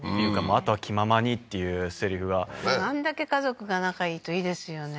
あとは気ままにっていうセリフがあんだけ家族が仲いいといいですよね